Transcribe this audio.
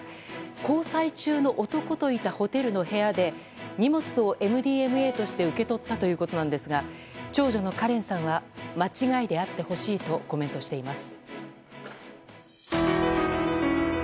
交際中の男といたホテルの部屋で荷物をＭＤＭＡとして受け取ったということなんですが長女のカレンさんは間違いであってほしいとコメントしています。